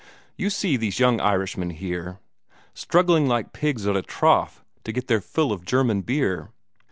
You see those young Irishmen there, struggling like pigs at a trough to get their fill of German beer.